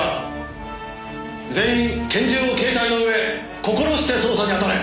「全員拳銃を携帯の上心して捜査にあたれ」